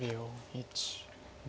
１２。